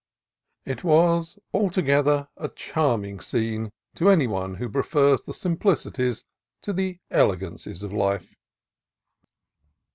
It was altogether a charming scene to any one who prefers the sim plicities to the elegancies of life.